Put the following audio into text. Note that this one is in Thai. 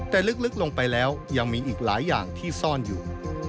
แต่ลึกลงไปแล้วยังมีอีกหลายอย่างที่ซ่อนอยู่